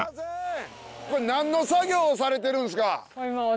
これ何の作業をされてるんですか？